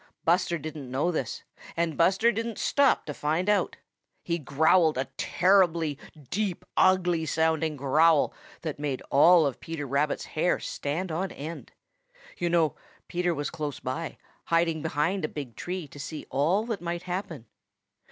Buster didn't know this, and Buster didn't stop to find it out. He growled a terribly deep, ugly sounding growl that made all of Peter Rabbit's hair stand on end. You know, Peter was close by, hiding behind a big tree to see all that might happen.